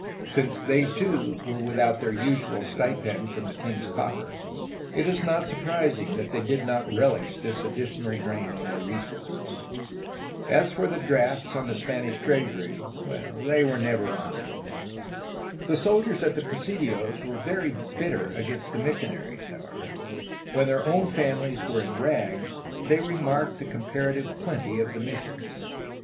Since they too were with out their usual stipend from the king's coffers, it is not sur prising that they did not rehsh this additional drain on their resources. As for the drafts on the Spanish treasury, they were never honored. The soldiers at the presidios were very bitter against the missionaries, however. While their own families were in rags, they remarked the comparative plenty at the missions.